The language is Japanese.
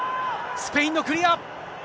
スペインのクリア。